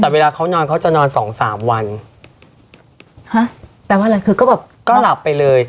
แต่เวลาเขานอนเขาจะนอนสองสามวันฮะแปลว่าอะไรคือก็แบบก็หลับไปเลย